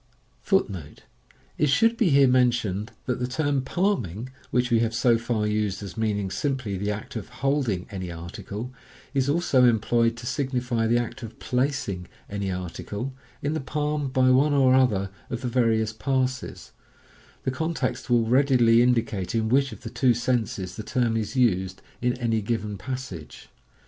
* Pass i. — Take the coin in the right hand, between the second and * It should be here mentioned that the term "palming," which we have so far used as meaning simply the act of holding any article, is also employed to signify the act of placing any article in the palm by one or other of the various passes. The con text will readily indicate in which of the two senses the term is used in any given passage.